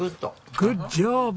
グッジョブ！